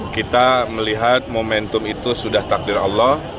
kita melihat momentum itu sudah takdir allah